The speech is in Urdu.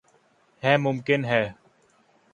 یے مہکن ہے